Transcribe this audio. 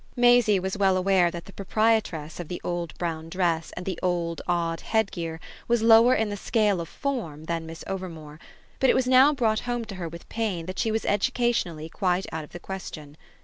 Maisie was well aware that the proprietress of the old brown dress and the old odd headgear was lower in the scale of "form" than Miss Overmore; but it was now brought home to her with pain that she was educationally quite out of the question.